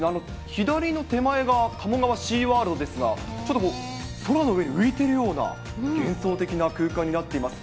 左の手前が鴨川シーワールドですが、ちょっとこう、空の上に浮いているような、幻想的な空間になっています。